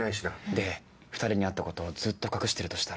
で２人に会ったことをずっと隠してるとしたら。